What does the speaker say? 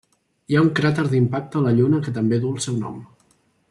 Hi ha un cràter d'impacte a la Lluna que també duu el seu nom.